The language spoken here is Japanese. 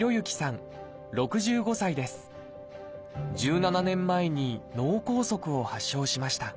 １７年前に脳梗塞を発症しました。